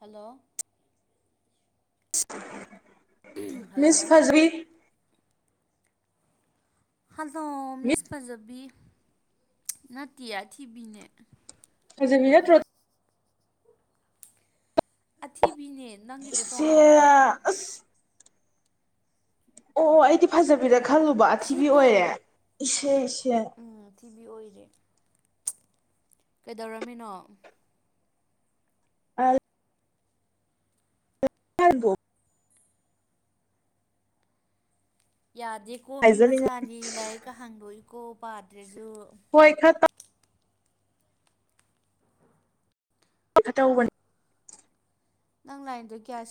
hello miss hello ꯐꯖꯕꯤ hello miss ꯐꯖꯕꯤ nutty ꯑꯊꯤꯕꯤꯅꯦ ꯍꯧꯖꯤ ꯍ꯭ꯔꯣ ꯑꯊꯤꯕꯤꯅꯦ ꯅꯪꯒꯤꯗꯣ ꯏꯆꯦ ꯇꯣꯉꯥꯟꯈ꯭ꯔꯦ ꯑꯁ ꯑꯣ ꯑꯩꯗꯤ ꯐꯖꯕꯤꯗ ꯈꯜꯂꯨꯕ ꯑꯊꯤꯕꯤ ꯁꯤꯕꯨ ꯑꯣꯏꯔꯦ ꯏꯦ ꯏꯦ ꯎꯝ ꯊꯤꯕꯤ ꯑꯣꯏꯔꯦ ꯀꯩꯗꯧꯔꯝꯃꯤꯅꯣ ꯑ ꯍꯦꯜꯕꯨ ꯌꯥꯗꯦꯀꯣ ꯃꯤ ꯍꯥꯏꯖꯅꯤꯡ ꯃꯆꯥꯅꯤ ꯂꯥꯏꯔꯤꯛꯀ ꯍꯥꯡꯗꯣꯛꯏꯀꯣ ꯄꯥꯗ꯭ꯔꯁꯨ ꯍꯣ ꯑꯩ ꯈꯠ ꯇꯧꯕꯅꯤ ꯅꯪ ꯂꯥꯏꯟꯗꯣ ꯀꯌꯥ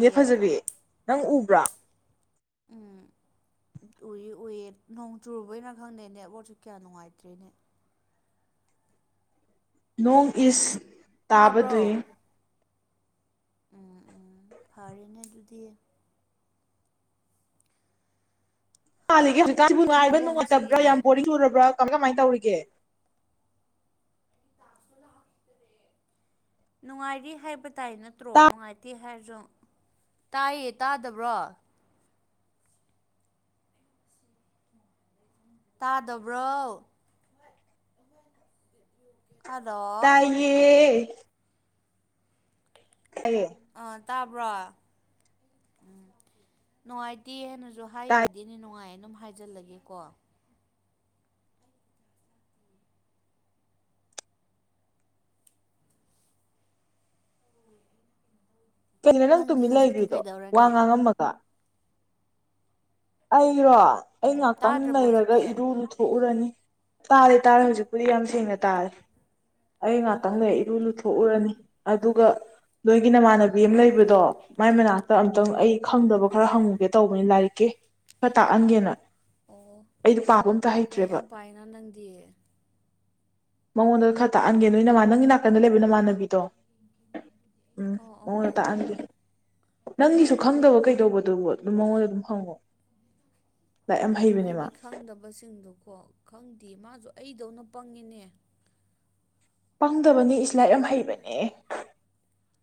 ꯅꯦ ꯐꯖꯕꯤ ꯅꯪ ꯎꯕ꯭ꯔꯥ ꯎꯝ ꯎꯏ ꯎꯏꯌꯦ ꯅꯣꯡ ꯆꯨꯕꯅ ꯈꯪꯗꯦ ꯅꯦꯠꯋꯥꯛꯁꯦ ꯀꯌꯥ ꯅꯨꯡꯉꯥꯏꯇ꯭ꯔꯦꯅꯦ ꯅꯣꯡ ꯏꯁ ꯇꯥꯕꯗꯨꯏ ꯇꯥꯕ꯭ꯔꯣ ꯎꯝ ꯎꯝ ꯐꯔꯦꯅꯦ ꯑꯗꯨꯗꯤ ꯜꯂꯤꯒꯦ ꯍꯧꯖꯤꯛꯥꯟꯁꯤꯕꯨ ꯅꯨꯡꯥꯏꯕ꯭ꯔ ꯇꯨꯝꯃꯕꯣ ꯉꯁꯤꯒꯤ ꯅꯨꯡꯉꯇꯕ꯭ꯔꯥ ꯌꯥꯝ ꯅꯪ ꯕꯣꯔꯤꯡ ꯁꯨꯔꯕ꯭ꯔꯥ ꯀꯃꯥꯏ ꯀꯃꯥꯏꯅ ꯇꯧꯔꯤꯒꯦ ꯇꯥꯁ ꯅꯨꯡꯉꯥꯏꯔꯤ ꯍꯥꯏꯕ ꯇꯥꯏ ꯅꯠꯇ꯭ꯔꯣ ꯇꯥ ꯅꯨꯡꯉꯥꯏꯇꯦ ꯍꯥꯏꯔꯁꯨ ꯇꯥꯏꯌꯦ ꯇꯥꯗꯕ꯭ꯔꯣ ꯇꯥꯗꯕ꯭ꯔꯣ ꯑꯗꯣ ꯌꯦ ꯍꯥꯏꯔꯦ ꯑꯥ ꯇꯥꯕ꯭ꯔꯣ ꯎꯝ ꯅꯨꯡꯉꯥꯏꯇꯦ ꯍꯥꯏꯅꯁꯨ ꯑꯗ ꯍꯥꯏ ꯇꯥꯏ ꯌꯥꯗꯦꯅꯦ ꯅꯨꯡꯉꯥꯏꯌꯦ ꯑꯗꯨꯝ ꯍꯥꯏꯖꯜꯂꯒꯦꯀꯣ ꯎꯝ ꯀꯩꯅꯣ ꯅꯪ ꯇꯨꯃꯤꯟ ꯂꯩꯈ꯭ꯔꯤꯗꯣ ꯋꯥ ꯀꯩꯗꯧꯔꯅꯤ ꯉꯥꯡꯉꯝꯃꯒ ꯑꯩꯔꯣ ꯑꯩ ꯎꯝ ꯉꯥꯛꯇꯪ ꯇꯥꯗ꯭ꯔꯕꯣ ꯅꯔꯒ ꯍꯧꯖꯤꯛꯇꯤ ꯑꯣ ꯏꯔꯨ ꯂꯨꯊꯣꯛꯎꯔꯅꯤ ꯇꯥꯔꯦ ꯇꯥꯔꯦ ꯍꯧꯖꯤꯛꯄꯨꯗꯤ ꯌꯥꯝ ꯁꯦꯡꯅ ꯇꯥꯔꯦ ꯑꯩ ꯑꯣ ꯉꯥꯛꯇꯪꯗ ꯏꯔꯨ ꯂꯨꯊꯦ ꯊꯣꯛꯎꯔꯅꯤ ꯑꯗꯨꯒ ꯅꯣꯏꯒꯤ ꯅꯃꯥꯟꯅ ꯑꯃ ꯂꯩꯕꯗꯣ ꯃꯥꯏ ꯃꯅꯥꯛꯇ ꯑꯝꯇꯪ ꯑꯩ ꯎꯝ ꯈꯪꯗꯕ ꯈꯔ ꯍꯪꯉꯨꯒꯦ ꯇꯧꯕꯅꯤ ꯂꯥꯏꯔꯤꯛꯀꯤ ꯈꯔ ꯇꯥꯛꯍꯟꯒꯦꯅ ꯑꯣ ꯑꯩꯗꯣ ꯄꯥꯕ ꯑꯝꯇ ꯂꯥꯏꯔꯤꯛ ꯍꯩꯇ꯭ꯔꯦꯕ ꯌꯥꯝ ꯄꯥꯏꯅ ꯅꯪꯗꯤ ꯃꯉꯣꯟꯗ ꯈꯔ ꯇꯥꯛꯍꯟꯒꯦ ꯅꯣꯏ ꯅꯃ ꯅꯪꯒꯤ ꯅꯥꯀꯟꯗ ꯂꯩꯕ ꯅꯃꯥꯟꯅꯕꯤꯗꯣ ꯎꯝ ꯑꯣ ꯃ ꯑꯣ ꯑꯣ ꯇꯥꯛꯅꯒ ꯅꯪꯒꯤꯁꯨ ꯈꯪꯗꯕ ꯀꯩꯗꯧꯕꯗꯨꯕꯨ ꯑꯗꯨꯝ ꯃꯉꯣꯟꯗ ꯑꯗꯨꯝ ꯍꯪꯉꯣ ꯂꯥꯏꯔꯤꯛ ꯌꯥꯝ ꯍꯩꯕꯅꯦ ꯃꯥ ꯑꯩꯒꯤ ꯈꯪꯗꯕꯁꯤꯡꯗꯨꯣꯀꯣ ꯈꯪꯗꯦ ꯃꯥꯁꯨ ꯑꯩꯗꯧꯅ ꯄꯪꯉꯤꯅꯦ ꯄꯥꯡꯗꯕꯅꯤ ꯏ ꯂꯥꯏ ꯌꯥꯝ ꯍꯩꯕꯅꯦ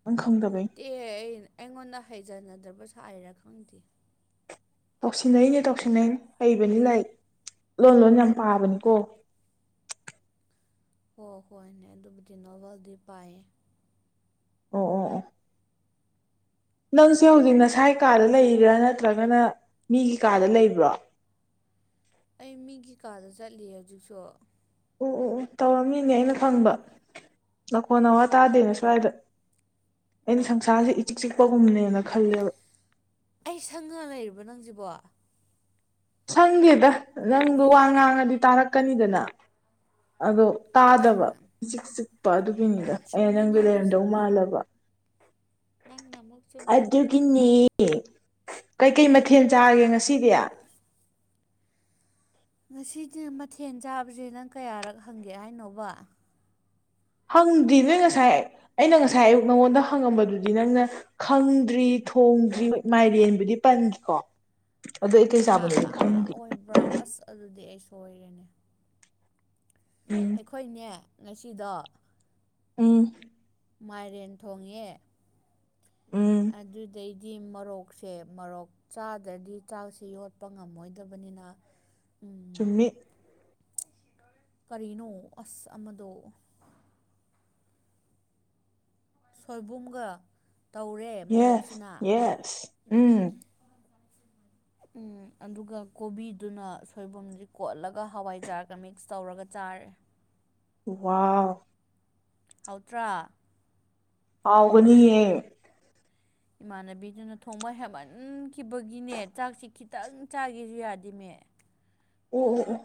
ꯅꯪ ꯈꯪꯗꯕꯩ ꯍꯩꯇꯦ ꯑꯩ ꯑꯩꯉꯣꯟꯗ ꯍꯩꯖꯅꯗ꯭ꯔꯕꯁꯨꯥꯏꯔꯥ ꯈꯪꯗꯦ ꯇꯧꯁꯤꯟꯅꯩꯅꯦ ꯇꯧꯁꯤꯟꯅꯩꯅꯦ ꯍꯩꯕꯅꯤ ꯂꯥꯏ ꯂꯣꯟ ꯂꯣꯟ ꯌꯥꯝ ꯄꯥꯕꯅꯤꯀꯣ ꯍꯣ ꯍꯣꯏꯅꯦ ꯑꯗꯨꯕꯨꯗꯤ ꯅꯣꯕꯦꯜꯗꯤ ꯄꯥꯏꯌꯦ ꯑꯣ ꯑꯣ ꯑꯣ ꯅꯪꯁꯦ ꯍꯧꯖꯤꯛ ꯅꯁꯥꯏꯒꯤ ꯀꯥꯗ ꯂꯩꯕ꯭ꯔꯥ ꯅꯠꯇ꯭ꯔꯒꯅ ꯃꯤꯒꯤ ꯀꯥꯗ ꯂꯩꯕ꯭ꯔꯣ ꯑꯩ ꯃꯤꯒꯤ ꯀꯥꯔꯗ ꯆꯠꯂꯤ ꯍꯧꯖꯤꯛꯁꯨ ꯎ ꯎ ꯎ ꯇꯧꯔꯝꯃꯤꯅꯦ ꯑꯩꯅ ꯐꯪꯕ ꯅꯈꯣꯟ ꯅꯋꯥ ꯇꯥꯗꯦꯅ ꯁ꯭ꯋꯥꯏꯗ ꯑꯩꯅ ꯎꯝ ꯁꯪꯁꯥꯔꯁꯤꯦ ꯏꯆꯤꯛ ꯆꯤꯛꯄꯒꯨꯝꯅꯦꯅ ꯈꯜꯂꯦꯕ ꯑꯩ ꯁꯪ ꯉ ꯂꯩꯔꯤꯕ ꯅꯪꯁꯤꯕꯣ ꯁꯪꯗꯦꯗ ꯅꯪꯗꯣ ꯋꯥ ꯉꯥꯡꯉꯗꯤ ꯇꯥꯔꯛꯀꯅꯤꯗꯅ ꯑꯗꯣ ꯍꯣꯏ ꯍꯣꯏ ꯆꯤꯛ ꯆꯤꯛꯄ ꯑꯗꯨꯒꯤꯅꯤꯗ ꯑꯩꯅ ꯆꯨꯝꯃꯤꯅꯦ ꯅꯪꯗꯤ ꯑꯗꯨꯁꯨ ꯂꯩꯔꯝꯗꯧ ꯃꯥꯜꯂꯕ ꯅꯪꯅ ꯑꯃꯛ ꯑꯗꯨꯒꯤꯅꯦ ꯀꯩꯀꯩ ꯃꯊꯦꯜ ꯆꯥꯒꯦ ꯉꯁꯤꯗꯤ ꯉꯁꯤꯗꯤ ꯃꯊꯦꯜ ꯆꯥꯕꯁꯦ ꯅꯪ ꯀꯌꯥꯔꯛ ꯍꯪꯒꯦ ꯍꯥꯏꯅꯣꯕ ꯍꯪꯗ꯭ ꯅꯣꯏ ꯉꯁꯥꯏ ꯑꯩꯅ ꯉꯁꯥꯏ ꯑꯌꯨꯛ ꯅꯪꯉꯣꯟꯗ ꯍꯪꯉꯝꯕꯗꯨꯗꯤ ꯅꯪꯅ ꯈꯪꯗ꯭ꯔꯤ ꯊꯣꯡꯗ꯭ꯔꯤ ꯍꯣꯏ ꯃꯥꯏꯔꯦꯟꯕꯨꯗꯤ ꯄꯟꯈꯤꯀꯣ ꯑꯗꯨꯗ ꯑꯩ ꯀꯩ ꯑꯥ ꯆꯥꯕꯅꯣꯗꯤ ꯑꯥ ꯑꯥ ꯈꯪꯒꯦ ꯑꯣꯏꯕ꯭ꯔꯥ ꯑꯁ ꯑꯗꯨꯗꯤ ꯑꯩ ꯁꯣꯏꯔꯦꯅꯦ ꯎꯝ ꯑꯩꯈꯣꯏꯅꯦ ꯉꯁꯤꯗꯣ ꯎꯝ ꯃꯥꯏꯔꯦꯟ ꯊꯣꯡꯉꯦ ꯎꯝ ꯑꯗꯨꯗꯩꯗꯤ ꯃꯣꯔꯣꯛꯁꯦ ꯃꯣꯔꯣꯛ ꯆꯥꯗ꯭ꯔꯗꯤ ꯆꯥꯛꯁꯤ ꯌꯣꯠꯄ ꯉꯝꯃꯣꯏꯗꯕꯅꯤꯅ ꯎꯝ ꯆꯨꯝꯃꯤ ꯀꯔꯤꯅꯣ ꯑꯁ ꯑꯃꯗꯣ ꯁꯣꯏꯕꯨꯝꯒ ꯇꯧꯔꯦ ꯌꯦꯁ ꯃꯣꯔꯣꯛꯁꯤꯅ [inaudible] ꯌꯦꯁ ꯎꯝ ꯎꯝ ꯑꯗꯨꯒ ꯀꯣꯕꯤꯗꯨꯅ ꯁꯣꯏꯕꯨꯝꯗꯤ ꯀꯣꯠꯂꯒ ꯍꯋꯥꯏꯖꯥꯔ ꯃꯤꯛꯁ ꯇꯧꯔꯒ ꯆꯥꯔꯦ ꯋꯥ ꯍꯧꯠꯇ꯭ꯔꯥ ꯍꯥꯎꯒꯅꯤꯌꯦ ꯏꯃꯥꯟꯅꯕꯤꯗꯨꯅ ꯊꯣꯡꯕ ꯍꯦꯃꯟꯈꯤꯕꯒꯤꯅꯦ ꯆꯥꯛꯁꯤ ꯈꯤꯇꯪ ꯆꯥꯈꯤꯁꯨ ꯌꯥꯗꯤꯃꯦ ꯎ ꯎ ꯎ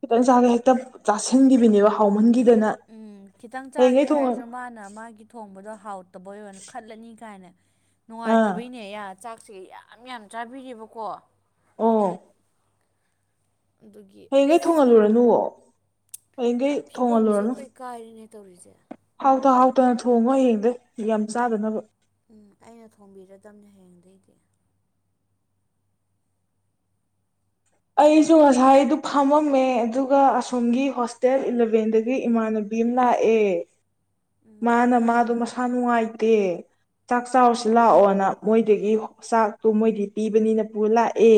ꯈꯤꯇꯪ ꯆꯥꯒ ꯍꯦꯛꯇ ꯆꯥꯁꯤꯟꯈꯤꯕꯅꯦꯕ ꯍꯥꯎꯃꯟꯈꯤꯗꯅ ꯎꯝ ꯈꯤꯇꯪ ꯆꯥꯒꯦ ꯍꯌꯦꯡꯈꯩ ꯊꯣꯡꯉ ꯍꯥꯏꯔꯁꯨ ꯃꯥꯅ ꯃꯥꯒꯤ ꯊꯣꯡꯕꯗꯣ ꯍꯥꯎꯠ ꯇꯧꯕꯣꯅ ꯈꯜꯂꯅꯤ ꯀꯥꯏꯅ ꯑꯥ ꯅꯨꯡꯉꯥꯏꯇꯕꯩꯅꯦ ꯆꯥꯛꯁꯦ ꯌꯥꯝ ꯌꯥꯝ ꯆꯥꯕꯤꯕꯀꯣ ꯑꯣ ꯑꯗꯨꯒꯤ ꯍꯌꯦꯡꯒꯩ ꯑꯁ ꯊꯣꯡꯍꯜꯂꯨꯔꯅꯨꯕ ꯐꯤꯕꯝꯁꯦ ꯂꯣꯏ ꯀꯥꯏꯔꯤꯅꯦ ꯇꯧꯔꯤꯁꯦ ꯍꯥꯎꯇ ꯍꯥꯎꯇꯅ ꯊꯣꯡꯉꯣ ꯍꯌꯦꯡꯗ ꯌꯥꯝ ꯆꯥꯗꯅꯕ ꯎꯝ ꯑꯩꯅ ꯊꯣꯡꯕꯤꯔꯗꯗꯝꯅꯦ ꯍꯌꯦꯡꯗꯩꯗꯤ ꯑꯩꯁꯨ ꯉꯁꯥꯏꯗꯨ ꯐꯥꯝꯃꯝꯃꯦ ꯑꯗꯨꯒ ꯑꯁꯣꯝꯒꯤ ꯍꯣꯁꯇꯦꯜ ꯏꯂꯚꯦꯟꯗꯒꯤ ꯏꯃꯥꯟꯅꯕꯤ ꯕꯤꯝꯅꯥ ꯑꯦ ꯎꯝ ꯃꯥꯅ ꯃꯥꯗꯣ ꯃꯁꯥ ꯅꯨꯡꯉꯥꯏꯇꯦ ꯆꯥꯛ ꯆꯔꯁꯤ ꯂꯥꯛꯑꯣꯅ ꯃꯣꯏꯗꯒꯤ ꯆꯥꯛꯇꯣ ꯃꯣꯏꯗꯤ ꯄꯤꯕꯅꯤꯅ ꯄꯨ ꯂꯥꯛꯑꯦ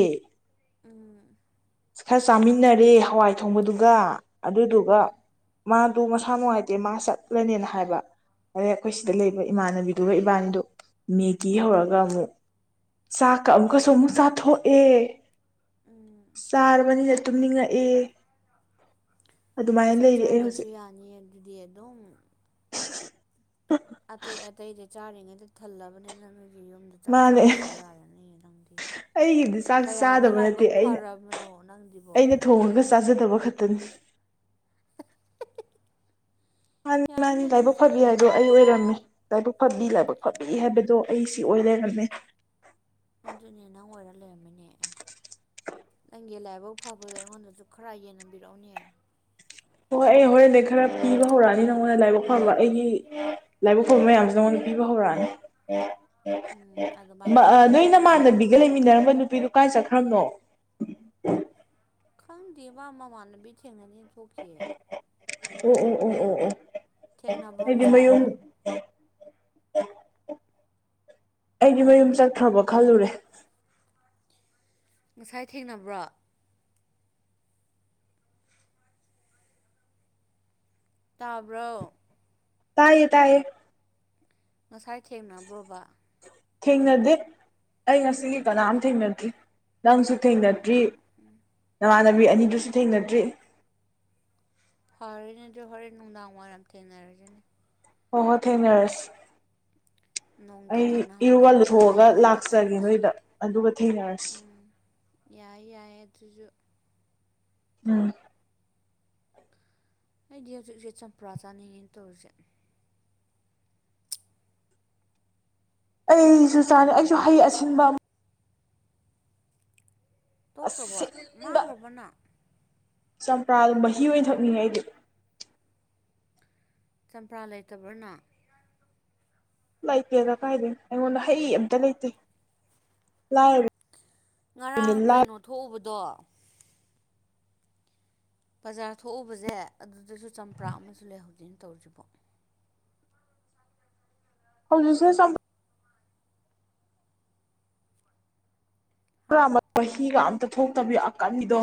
ꯎꯝ ꯈꯔ ꯆꯥꯃꯤꯟꯅꯔꯦ ꯍꯋꯥꯏ ꯊꯣꯡꯕꯗꯨꯒ ꯑꯗꯨꯗꯨꯒ ꯎꯝ ꯃꯥ ꯑꯗꯨ ꯃꯁꯥ ꯅꯨꯡꯉꯥꯏꯇꯦ ꯃꯥ ꯆꯠꯂꯅꯦꯅ ꯍꯥꯏꯕ ꯑꯗꯩ ꯑꯩꯈꯣꯏ ꯁꯤꯗ ꯑꯥ ꯂꯩꯕ ꯏꯃꯥꯟꯅꯕꯤ ꯑꯗꯨꯒ ꯏꯕꯥꯟꯗꯨꯣ ꯃꯦꯒꯤ ꯍꯧꯔꯒ ꯑꯃꯨꯛ ꯆꯥꯛꯀ ꯑꯃꯨꯛꯀꯁꯨ ꯑꯃꯨꯛ ꯆꯥꯊꯣꯛꯑꯦ ꯎꯝ ꯆꯥꯔꯕꯅꯤꯅ ꯇꯨꯝꯅꯤꯡꯉꯛꯑꯦ ꯑꯗꯨꯃꯥꯏꯅ ꯂꯩꯔꯑꯦ ꯍꯧꯖꯤꯛ ꯅꯤ ꯑꯗꯨꯗꯤ ꯑꯗꯨꯝ ꯑꯇꯩ ꯑꯇꯩꯗꯤ ꯆꯥꯔꯤꯉꯩꯗ ꯊꯜꯂꯕꯅꯤꯅ ꯅꯪ ꯅꯒꯤ ꯌꯨꯝꯗ ꯆꯥꯛ ꯃꯥꯅꯦ ꯆꯥꯗꯁꯨ ꯌꯥꯔꯅꯤ ꯅꯪꯗꯤ ꯑꯩꯒꯤꯗꯤ ꯆꯥꯛ ꯀꯌꯥꯗ ꯆꯥꯗꯕ ꯅꯠꯇꯦ ꯂꯥꯏꯕꯛ ꯑꯩꯅ ꯐꯔꯕꯅꯣ ꯅꯪꯗꯤꯕꯣ ꯑꯩꯅ ꯊꯣꯡꯉꯒ ꯆꯥꯖꯗꯕ ꯈꯛꯇꯅꯤ ꯃꯥꯅꯤ ꯃꯥꯅꯤ ꯌꯥꯏꯅ ꯂꯥꯏꯕꯛ ꯑꯗꯨꯁꯨ ꯐꯕꯤ ꯀꯩꯅꯣ ꯍꯥꯏꯗꯣ ꯑꯩ ꯑꯣꯏꯔꯝꯃꯦ ꯂꯥꯏꯕꯛ ꯐꯕꯤ ꯂꯥꯏꯕꯛ ꯐꯕꯤ ꯍꯥꯏꯕꯗꯣ ꯑꯩ ꯁꯤ ꯑꯣꯏꯔꯔꯝꯃꯦ ꯑꯗꯨꯅꯦ ꯅꯪ ꯑꯣꯏꯔ ꯂꯩꯔꯝꯃꯤꯅꯦ ꯑꯦ ꯅꯪꯒꯤ ꯂꯥꯏꯕꯛ ꯐꯥꯎꯕꯗ ꯑꯩꯉꯣꯟꯗꯁꯨ ꯈꯔ ꯌꯦꯡꯅꯕꯤꯔꯛꯎꯅꯦ ꯍꯣꯏ ꯑꯩ ꯍꯣꯔꯦꯟꯗꯩ ꯈꯔ ꯄꯤꯕ ꯍꯧꯔꯛꯑꯅꯤ ꯅꯪꯉꯣꯟꯗ ꯂꯥꯏꯕꯛ ꯐꯕ ꯑꯩꯒꯤ ꯂꯥꯏꯕ ꯈꯔ ꯃꯌꯥꯝꯁꯨ ꯅꯉꯣꯟꯅ ꯄꯤꯕ ꯍꯧꯔꯛꯑꯅꯤ ꯎꯝ ꯑꯗꯨꯃꯥꯏꯅ ꯌꯦꯟꯅꯁꯤꯕ ꯒ ꯂꯩꯃꯤꯟꯅꯔꯝꯕ ꯅꯨꯄꯤꯗꯨꯣ ꯀꯥꯏ ꯆꯠꯈ꯭ꯔꯕꯅꯣ ꯈꯪꯗꯦꯕ ꯃꯃꯥꯟꯅꯕꯤ ꯊꯦꯡꯅꯅꯤ ꯊꯣꯛꯈꯤꯑ ꯑꯣ ꯑꯣ ꯑꯣ ꯑꯣ ꯑꯣ ꯊꯦꯡꯅꯕ꯭ꯔꯣ ꯑꯩꯗꯤ ꯉꯁꯥꯏ ꯃꯌꯨꯝ ꯑꯩꯗꯤ ꯃꯌꯨꯝ ꯆꯠꯈ꯭ꯔꯕꯣ ꯈꯜꯂꯨꯔꯦ ꯉꯁꯥꯏ ꯊꯦꯡꯅꯕ꯭ꯔꯣ ꯇꯥꯕ꯭ꯔꯣ ꯇꯥꯏꯌꯦ ꯇꯌꯦ ꯉꯁꯥꯏ ꯊꯦꯡꯅꯕ꯭ꯔꯣꯕ ꯊꯦꯡꯅꯗꯦ ꯑꯩ ꯉꯁꯤꯒꯤ ꯑꯣ ꯀꯅꯥꯝ ꯊꯦꯡꯅꯗ꯭ꯔꯤ ꯅꯪꯁꯨ ꯑꯣ ꯊꯦꯡꯅꯗ꯭ꯔꯤ ꯑꯣ ꯅꯃꯥꯟꯅꯕꯤ ꯑꯅꯤꯗꯨꯁꯨ ꯊꯦꯡꯅꯗ꯭ꯔꯤ ꯐꯔꯅꯦ ꯑꯗꯣ ꯍꯣꯔꯦꯟ ꯅꯨꯡꯗꯥꯡ ꯋꯥꯏꯔꯝ ꯊꯦꯡꯅꯔꯁꯤꯅꯦ ꯍ ꯊꯦꯡꯅꯔꯁ ꯅꯣꯡꯇ ꯑꯩ ꯏꯔꯨꯕꯥ ꯊꯦꯡꯅꯍꯧꯗ꯭ꯔꯗꯤ ꯂꯧꯊꯣꯛꯑꯒ ꯅꯨꯡꯉꯥꯏꯇꯦꯅꯦ ꯂꯥꯛꯆꯒꯦ ꯇꯧꯔꯤꯁꯦ ꯅꯣꯏꯗ ꯑꯗꯨꯒ ꯊꯦꯡꯅꯔꯁꯤ ꯎꯝ ꯌꯥꯏ ꯌꯥꯏ ꯑꯗꯨꯁꯨ ꯎꯝ ꯑꯩꯗꯤ ꯍꯧꯖꯤꯛ ꯍꯧꯖꯤ ꯆꯝꯄ꯭ꯔꯥ ꯆꯥꯅꯤꯡꯉꯦꯅ ꯇꯧꯔꯤꯁꯦ [inaudible] ꯑꯩꯁꯨ ꯆꯥꯅꯩ ꯑꯩꯁꯨ ꯍꯩ ꯑꯁꯤꯟꯕ ꯇꯣꯛꯈ꯭ꯔꯕꯣ ꯃꯥꯡꯈ꯭ꯔꯕꯅ ꯆꯝꯄ꯭ꯔꯥ ꯃꯍꯤ ꯑꯣꯏꯅ ꯊꯛꯅꯤꯡꯉ ꯑꯩꯗꯤ ꯆꯝꯄ꯭ꯔꯥ ꯂꯩꯇꯕ꯭ꯔꯅ ꯂꯩꯇꯦꯗ ꯀꯥꯏꯗ ꯑꯩꯉꯣꯟꯗ ꯍꯩ ꯑꯝꯇ ꯂꯩꯇꯦ ꯂꯥꯏꯔ ꯉꯔꯥꯡ ꯀꯩꯅꯣ ꯊꯣꯛꯎꯕꯗꯣ ꯕꯖꯥꯔ ꯊꯣꯛꯎꯕꯁꯦ ꯑꯗꯨꯗꯁꯨ ꯆꯝꯄ꯭ꯔꯥ ꯑꯃꯁꯨ ꯂꯩꯍꯧꯗꯦꯅ ꯇꯧꯔꯤꯁꯤꯕꯣ ꯍꯧꯁ ꯍꯥ ꯍꯤꯒ ꯑꯝꯇ ꯊꯣꯛꯇꯕꯤ ꯑꯀꯟꯕꯤꯗꯣ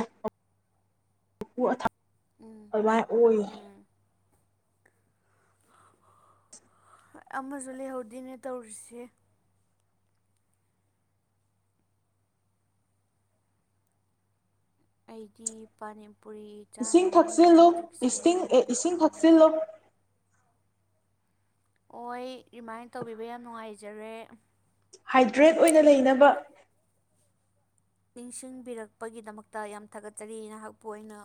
ꯎꯝ ꯃꯥꯥꯏ ꯑꯣꯏ ꯎꯝ ꯑꯃꯁꯨ ꯂꯩꯍꯧꯗꯣꯏꯅꯦ ꯇꯧꯔꯤꯁꯦ ꯑꯩꯗꯤ ꯄꯅꯤꯄꯨꯔꯤ ꯏꯁꯤꯡ ꯆꯥꯅꯤꯡꯉꯦ ꯊꯛꯆꯤꯜꯂꯨ ꯍꯧꯖꯤꯛꯁꯦ ꯏꯁꯤꯡ ꯑꯦ ꯏꯁꯤꯡ ꯑꯃꯨꯛꯀ ꯊꯛꯆꯤꯜꯂꯨ ꯑꯣꯏ ꯔꯤꯃꯥꯏꯟ ꯇꯧꯕꯤꯕ ꯌꯥꯝ ꯅꯨꯡꯉꯥꯏꯖꯔꯦ ꯍꯥꯏꯗ꯭ꯔꯦꯠ ꯑꯣꯏꯅ ꯂꯩꯅꯕ ꯅꯤꯡꯁꯤꯡꯕꯤꯔꯛꯄꯒꯤꯗꯃꯛꯇ ꯌꯥꯝ ꯊꯥꯒꯠꯆꯔꯤ ꯅꯍꯥꯛꯄꯨ ꯑ ꯑꯣꯏꯅ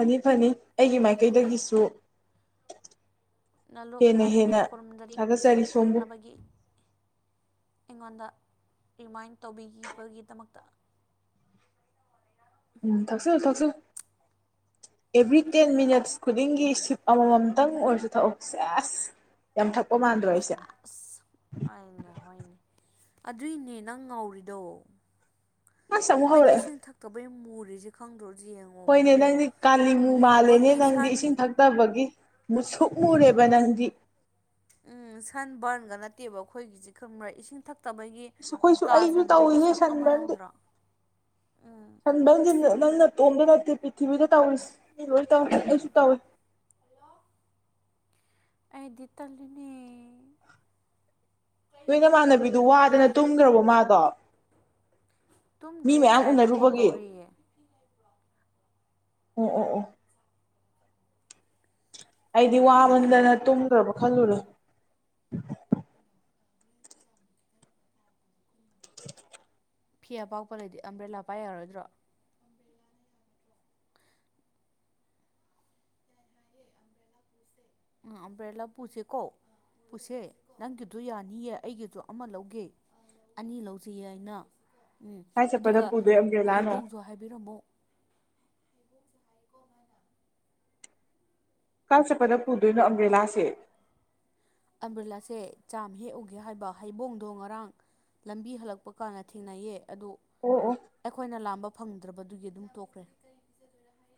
ꯐꯅꯤ ꯐꯅꯤ ꯑꯩꯒꯤ ꯃꯥꯏꯀꯩꯗꯒꯤꯁꯨ ꯅꯣꯂꯨꯞꯅ ꯍꯦꯟꯅ ꯑꯩꯅ ꯍꯦꯟꯅ ꯈꯨꯔꯨꯝꯖꯔꯤ ꯏꯁꯤꯡ ꯊꯥꯒꯠꯆꯔꯤ ꯁꯣꯝꯕꯨ ꯊꯛꯅꯕꯒꯤ ꯑꯩꯉꯣꯟꯗ ꯔꯤꯃꯥꯏꯟ ꯇꯧꯕꯤꯈꯤꯕꯒꯤꯗꯃꯛꯇ ꯎꯝ ꯊꯛꯆꯜꯂꯨ ꯊꯛꯆꯜꯂꯨ ꯑꯦꯚ꯭ꯔꯤ ꯇꯦꯟ ꯃꯤꯅꯠꯁ ꯈꯨꯗꯤꯡꯒꯤ ꯁꯤꯞ ꯑꯃꯃꯝꯇꯪ ꯑꯣꯏꯔꯁꯨ ꯊꯛꯎ ꯁꯦ ꯑꯁ ꯌꯥꯝ ꯊꯛꯄ ꯃꯥꯟꯗ꯭ꯔꯣ ꯑꯩꯁꯦ ꯑꯁ ꯍꯣꯏꯅꯦ ꯍꯣꯏꯅꯦ ꯑꯗꯨꯏꯅꯦ ꯅꯪ ꯉꯧꯔꯤꯗꯣ ꯑꯁ ꯑꯃꯨꯛ ꯑꯩꯈꯣꯏꯗꯤ ꯍꯧꯔꯛꯑꯦ ꯏꯁꯤꯡ ꯊꯛꯇꯕꯩ ꯃꯨꯔꯤꯁꯦ ꯈꯪꯗ꯭ꯔꯗꯤ ꯌꯦꯡꯉꯣ ꯍꯣꯏꯅꯦ ꯃꯨ ꯅꯪꯗꯤ ꯃꯨꯕꯒꯤ ꯁꯟ ꯐꯠꯇꯕꯒꯤ ꯃꯨꯁꯨꯛꯃꯨꯔꯦꯕ ꯅꯪꯗꯤ ꯎꯝ ꯁꯟ ꯕꯔꯟꯒ ꯅꯠꯇꯦꯕ ꯑꯩꯈꯣꯏꯒꯤꯁꯤ ꯈꯪꯕꯥ ꯏꯁꯤꯡ ꯊꯛꯇꯕꯒꯤ ꯑꯁ ꯑꯩꯈꯣꯏꯁꯨ ꯀꯥ ꯑꯩꯁꯨ ꯆꯟꯕꯒꯤ ꯇꯧꯔꯤꯅꯦ ꯁꯛ ꯑꯃ ꯁꯟꯕꯔꯟꯗꯤ ꯌꯥꯎꯗ꯭ꯔꯥ ꯎꯝ ꯅꯕꯪꯗꯤ ꯅꯪ ꯅꯇꯣꯝꯗꯤ ꯅꯠꯇꯦ ꯄ꯭ꯔꯤꯊꯤꯕꯤꯗ ꯇꯧꯏ ꯃꯤ ꯂꯣꯏꯁꯨ ꯇꯧ ꯀꯁꯨ ꯇꯧꯋꯦ ꯍꯜꯂꯣ ꯑꯩꯗꯤ ꯇꯜꯂꯤꯅꯤ ꯅꯣꯏ ꯅꯃꯥꯟꯅꯕꯤꯗꯨ ꯋꯥꯗꯅ ꯇꯨꯝꯒꯔꯥꯕꯣ ꯃꯥꯗꯣ ꯃꯤ ꯇꯨꯝꯗ꯭ꯔꯤ ꯃꯌꯥꯝ ꯑꯁꯥꯏꯗ ꯀꯣꯜ ꯎꯅꯔꯨꯕꯒꯤ ꯇꯧꯔꯤꯌꯦ ꯑꯣ ꯑꯣ ꯑꯣ ꯑꯩꯗꯤ ꯀꯩ ꯋꯥꯃꯟꯗꯅ ꯐꯤꯅꯣ ꯇꯨꯝꯂꯨꯔꯕ ꯈꯜꯂꯨꯔꯣ [unintelligible] ꯐꯤ ꯑꯄꯥꯛꯄ ꯂꯩꯇꯗꯤ ꯑꯝꯕ꯭ꯔꯦꯂꯥ ꯄꯥꯏ ꯌꯥꯔꯣꯏꯗ꯭ꯔꯣ ꯑꯝꯕꯔ꯭ꯦꯂꯥ ꯄꯨꯁꯦꯀꯣ ꯄꯨꯁꯦ ꯅꯪꯒꯤꯗꯣ ꯌꯥꯅꯤꯌꯦ ꯑꯩꯒꯤꯗꯣ ꯑꯃ ꯂꯧꯒꯦ ꯑꯅꯤ ꯂꯧꯁꯤꯌꯦ ꯑꯩꯅ ꯎꯝ ꯀꯥꯏ ꯆꯠꯄꯗ ꯑꯗꯨꯒ ꯄꯨꯗꯣꯏ ꯑꯝꯕ꯭ꯔꯦꯂꯥꯅꯣ ꯍꯩꯕꯣꯡꯁꯨ ꯍꯥꯏꯕꯤꯔꯝꯃꯣ ꯀꯥꯏ ꯆꯠꯄꯗ ꯄꯨꯗꯣꯏꯅꯣ ꯑꯝꯕ꯭ꯔꯦꯂꯥꯁꯦ ꯑꯝꯕ꯭ꯔꯤꯂꯥꯁꯦ ꯆꯥꯝꯃ ꯍꯦꯛꯎꯒꯦ ꯍꯥꯏꯕ ꯍꯩꯕꯣꯡꯗꯣ ꯉꯔꯥꯡ ꯂꯝꯕꯤ ꯍꯜꯂꯛꯄ ꯀꯥꯟꯅ ꯊꯦꯡꯅꯩꯌꯦ ꯑꯗꯣ ꯑꯣ ꯑꯣ ꯑꯩꯈꯣꯏꯅ ꯂꯥꯝꯕ ꯐꯪꯗ꯭ꯔꯕꯗꯨꯒꯤ ꯑꯗꯨꯝ ꯇꯣꯛꯈ꯭ꯔꯦ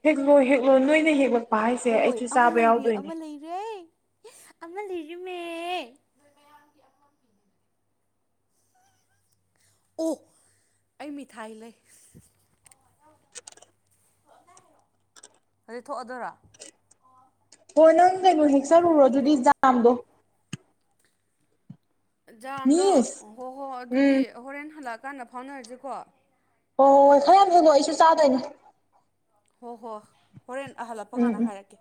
ꯍꯦꯛꯂꯣ ꯍꯦꯛꯂꯣ ꯅꯣꯏꯅ ꯍꯦꯛꯂ ꯍꯣꯏ ꯑꯃ ꯂꯩꯔꯦ ꯑꯃ ꯂꯩꯔꯦ ꯑꯃ ꯂꯩꯔꯃꯦ ꯑꯣ ꯑꯩ ꯃꯤꯊꯥꯏ ꯂꯩ ꯍꯧꯖꯤꯛ ꯊꯣꯛꯑꯗꯣꯏꯔꯥ ꯍꯣꯏ ꯅꯪ ꯀꯩꯅꯣ ꯍꯦꯛꯆꯠꯔꯨꯔꯣ ꯑꯗꯨꯗꯤ ꯖꯥꯝꯗꯣ ꯖꯥꯝꯗꯣ ꯃꯤꯁ ꯍꯣ ꯍꯣ ꯑꯗꯨꯗꯤ ꯎꯝ ꯍꯣꯔꯦꯟ ꯍꯜꯂꯛꯑꯀꯥꯟꯗ ꯐꯥꯎꯅꯔꯁꯤꯀꯣ ꯍꯣꯏ ꯍꯣꯏ ꯍꯣꯏ ꯈꯔ ꯌꯥꯝꯁꯨꯅꯣ ꯑꯩꯁꯨ ꯆꯥꯗꯣꯏꯅꯦ ꯍꯣ ꯍꯣ ꯍꯣꯔꯦꯟ ꯍꯜꯂꯛꯄ ꯎꯝ ꯀꯥꯟꯗ ꯎꯝ ꯍꯥꯏꯔꯛꯀꯦ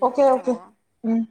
ꯎꯝ ꯑꯣꯀꯦ ꯑꯣꯀꯦ ꯑꯣ ꯎꯝ